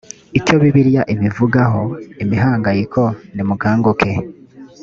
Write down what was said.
icyo bibiliya ibivugaho imihangayiko nimukanguke